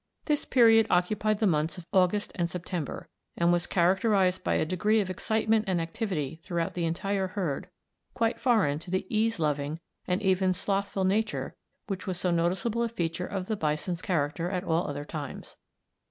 This period occupied the months of August and September, and was characterized by a degree of excitement and activity throughout the entire herd quite foreign to the ease loving and even slothful nature which was so noticeable a feature of the bison's character at all other times.